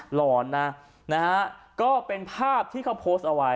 หลอนนะนะฮะก็เป็นภาพที่เขาโพสต์เอาไว้